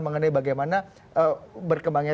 mengenai bagaimana berkembangnya